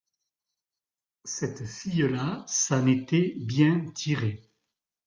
c'est fille-là s'en était bien tirée.